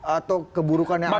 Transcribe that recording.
atau keburukannya anda ini